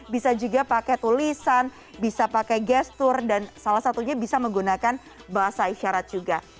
bisa juga pakai tulisan bisa pakai gestur dan salah satunya bisa menggunakan bahasa isyarat juga